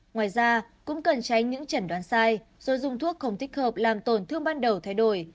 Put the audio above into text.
ngoài ra cũng cần tránh những chẩn đoán sai rồi dùng thuốc không thích hợp làm tổn thương ban đầu thay đổi